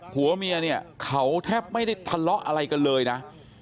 ผัวเมียเนี่ยเขาแทบไม่ได้ทะเลาะอะไรกันเลยนะ